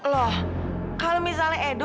loh kalau misalnya edo